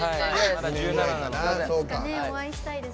まだ１７なんで。